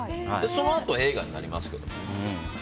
そのあと映画になりますけどね。